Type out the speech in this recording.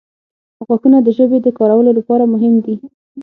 • غاښونه د ژبې د کارولو لپاره مهم دي.